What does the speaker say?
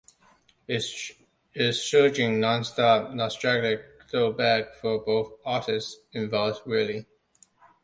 It's surging, non-stop nostalgic throwback - for both artists involved, really.